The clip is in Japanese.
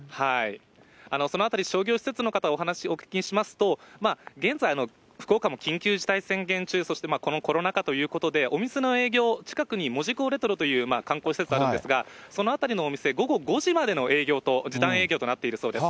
そのあたり、商業施設の方にお話しお聞きしますと、現在、福岡も緊急事態宣言中、そしてこのコロナ禍ということで、お店の営業を、近くに門司港レトロという観光施設があるんですが、その辺りのお店、午後５時までの営業と、時短営業となっているそうです。